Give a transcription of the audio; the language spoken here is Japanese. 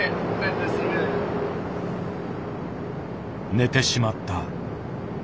寝てしまった。